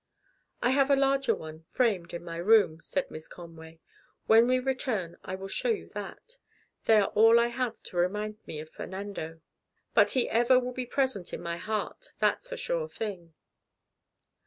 "I have a larger one, framed, in my room," said Miss Conway. "When we return I will show you that. They are all I have to remind me of Fernando. But he ever will be present in my heart, that's a sure thing."